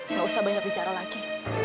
nggak usah banyak bicara lagi